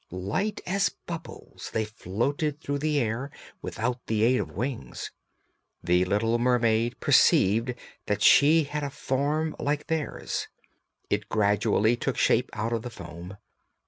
Light as bubbles they floated through the air without the aid of wings. The little mermaid perceived that she had a form like theirs; it gradually took shape out of the foam.